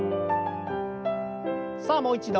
さあもう一度。